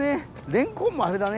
レンコンもあれだね